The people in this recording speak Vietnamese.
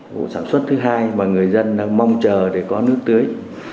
vụ sản xuất thứ hai mà người dân đang mong chờ để có nước tưới